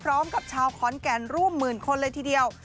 พร้อมกับชาวขอนแก่นร่วมหมื่นคนเลยทีเดียว